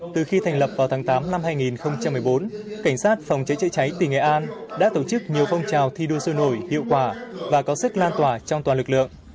từ khi thành lập vào tháng tám năm hai nghìn một mươi bốn cảnh sát phòng cháy chữa cháy tỉnh nghệ an đã tổ chức nhiều phong trào thi đua sôi nổi hiệu quả và có sức lan tỏa trong toàn lực lượng